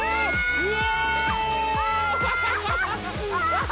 うわ！